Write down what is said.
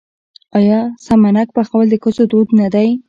آیا سمنک پخول د ښځو دود نه دی؟